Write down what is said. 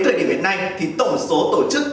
thời điểm hiện nay thì tổng số tổ chức